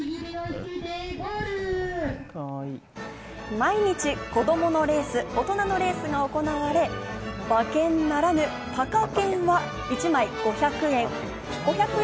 毎日子供どものレース、大人のレースが行われ、馬券ならぬパカ券は１枚５００円。